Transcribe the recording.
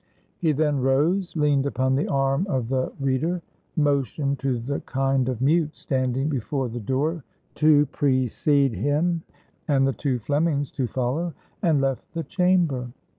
He then rose, leaned upon the arm of the reader, motioned to the kind of mute standing before the door to precede him, and the two Flemings to follow, and left the chamber.